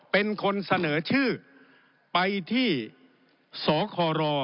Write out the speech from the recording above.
เป็นคนเสนอชื่อไปที่สคร